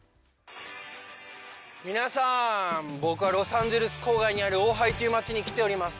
皆さん、僕はロサンゼルス郊外にあるオハイという街に来ております。